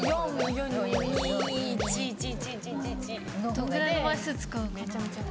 どんくらいの枚数使うかな？